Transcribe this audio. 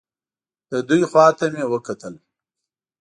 د دوی خوا ته مې وکتلې.